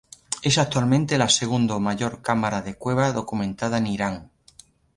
Es actualmente la segundo mayor cámara de cueva documentada en Irán.